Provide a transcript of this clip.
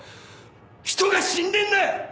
人が死んでんだよ！